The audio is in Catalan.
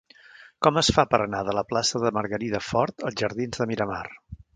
Com es fa per anar de la plaça de Margarida Fort als jardins de Miramar?